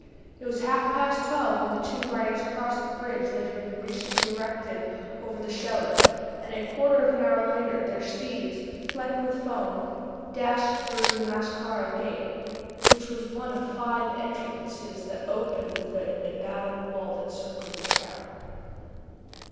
It was half past twelve when the two riders crossed the bridge that had been recently erected over the Shelif, and a quarter of an hour later their steeds, flecked with foam, dashed through the Mascara Gate, which was one of five entrances opened in the embattled wall that encircled the town.